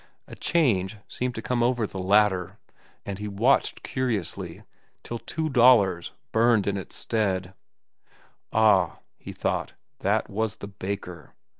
A change seemed to come over the latter, and he watched curiously, till "$2.00" burned in its stead. Ah, he thought, that was the baker.